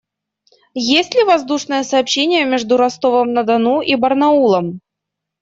Есть ли воздушное сообщение между Ростовом-на-Дону и Барнаулом?